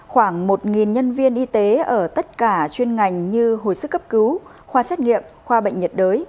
khoảng một nhân viên y tế ở tất cả chuyên ngành như hồi sức cấp cứu khoa xét nghiệm khoa bệnh nhiệt đới